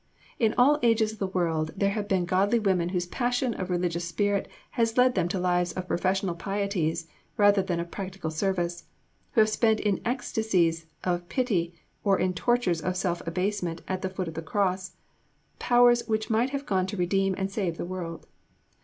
In all ages of the world there have been godly women whose passion of religious spirit has led them to lives of professional pieties, rather than of practical service; who have spent in ecstasies of pity, or in tortures of self abasement at the foot of the Cross, powers which might have gone to redeem and save the world.